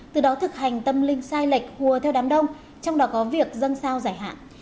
từ đó thực hành tâm linh sai lệch hùa theo đám đông trong đó có việc dân sao giải hạn